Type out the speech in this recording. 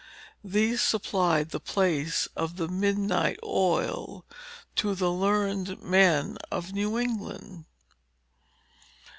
These supplied the place of the "midnight oil," to the learned men of New England."